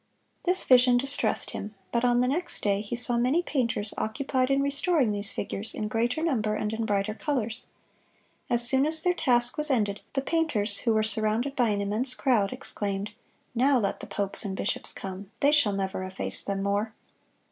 "This vision distressed him: but on the next day he saw many painters occupied in restoring these figures in greater number and in brighter colors. As soon as their task was ended, the painters, who were surrounded by an immense crowd, exclaimed, 'Now let the popes and bishops come; they shall never efface them more!